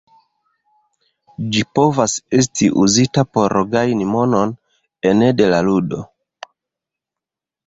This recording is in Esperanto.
Ĝi povas esti uzita por gajni monon ene de la ludo.